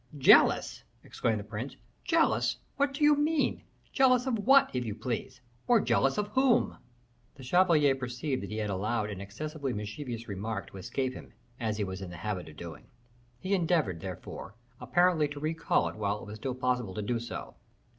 "Jealous!" exclaimed the prince. "Jealous! what do you mean? Jealous of what, if you please or jealous of whom?" The chevalier perceived that he had allowed an excessively mischievous remark to escape him, as he was in the habit of doing. He endeavored, therefore, apparently to recall it while it was still possible to do so.